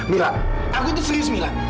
mila aku itu serius mila